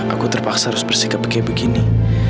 aku terpaksa harus bersikap kayak begini